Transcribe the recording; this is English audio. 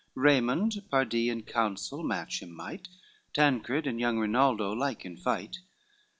Raymond pardie in counsel match him might; Tancred and young Rinaldo like in fight."